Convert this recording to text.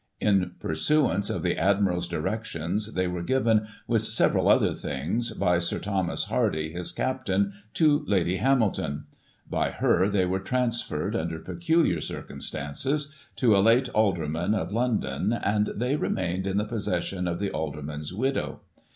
In pursuance of the Admiral's directions, they were given, with several other things, by Sir Thomas Hardy, his captain, to Lady Hamilton ; by her, they were transferred, under peculiar circumstances, to a late alderman of London, and they remained in the possession of the alderman's widow.